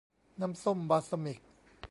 น้ำส้มบัลซามิก